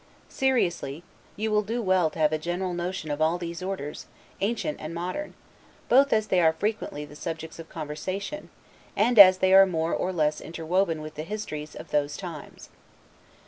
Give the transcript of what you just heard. Seriously, you will do well to have a general notion of all those orders, ancient and modern; both as they are frequently the subjects of conversation, and as they are more or less interwoven with the histories of those times.